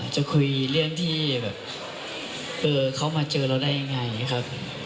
จะคุยเรื่องที่แบบเขามาเจอเราได้ยังไงครับ